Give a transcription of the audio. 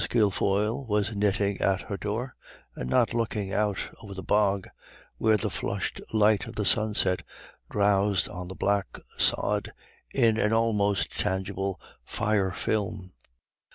Kilfoyle was knitting at her door and not looking out over the bog, where the flushed light of the sunset drowsed on the black sod in an almost tangible fire film.